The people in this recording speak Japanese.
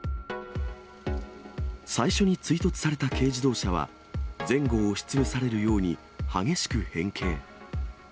最初に追突された軽自動車は、前後を押しつぶされるように激しく変形。